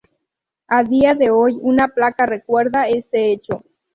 A día de hoy, una placa recuerda este hecho.